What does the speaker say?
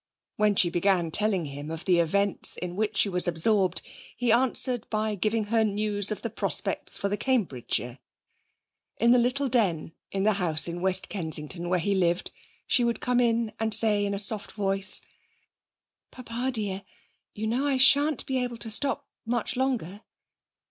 When she began telling him of the events in which she was absorbed he answered by giving her news of the prospects for the Cambridgeshire. In the little den in the house in West Kensington, where he lived, she would come in and say in a soft voice: 'Papa dear, you know I shan't be able to stop much longer.'